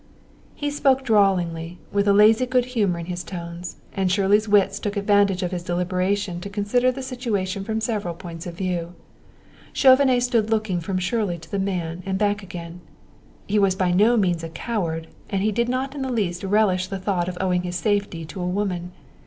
He spoke drawlingly with a lazy good humor in his tones, and Shirley's wits took advantage of his deliberation to consider the situation from several points of view. Chauvenet stood looking from Shirley to the man and back again. He was by no means a coward, and he did not in the least relish the thought of owing his safety to a woman.